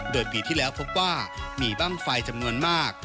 โดยปีที่แล้วพบว่ามีบ้างไฟจำนวนมาก